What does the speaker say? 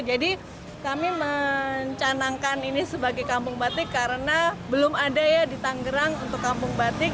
jadi kami mencanangkan ini sebagai kampung batik karena belum ada ya di tangerang untuk kampung batik